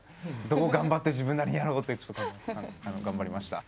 どう頑張って自分なりにやろう？ってちょっと頑張りました。